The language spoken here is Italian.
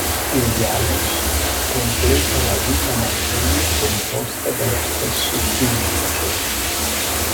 Il "Gallus" completa la "Vita Martini" composta dallo stesso Sulpicio.